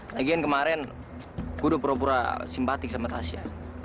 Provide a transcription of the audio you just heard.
lagian kemarin gue udah pura pura simpatik sama tasya